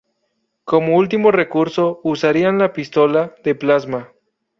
Como último recurso usarían la pistola de plasma.